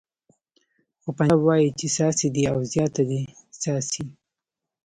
خو پنجاب وایي چې څاڅي دې او زیاته دې څاڅي.